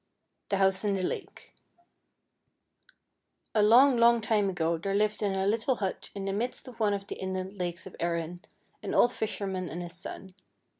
THE HOUSE IN THE LAKE 2 ALONG, long time ago there lived in a little hut, in the midst of one of the inland lakes of Erin, an old fisherman and his son.